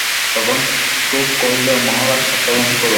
তখন শুক কহিল মহারাজ শ্রবণ করুন।